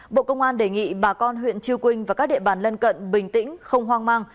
bộ công an đề nghị bà con huyện chư quynh và các địa bàn lân cận bình tĩnh không hoang mang